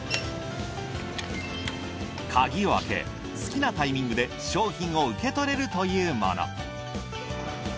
鍵を開け好きなタイミングで商品を受け取れるというもの。